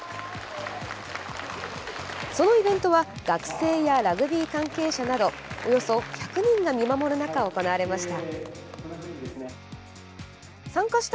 そのイベントは学生やラグビー関係者などおよそ１００人が見守る中行われました。